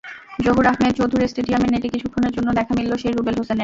জহুর আহমেদ চৌধুরী স্টেডিয়ামের নেটে কিছুক্ষণের জন্য দেখা মিলল সেই রুবেল হোসেনের।